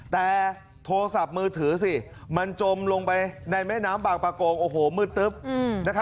แต่โทรศัพท์มือถือสิมันจมลงไปในแม่น้ำบางประกงโอ้โหมืดตึ๊บ